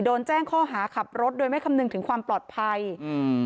โดนแจ้งข้อหาขับรถโดยไม่คำนึงถึงความปลอดภัยอืม